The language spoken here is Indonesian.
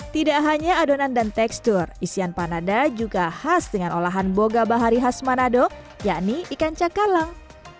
tidak hanya adonan dan tekstur isian panada juga khas dengan olahan boga bahari khas manado yakni ikan cakalang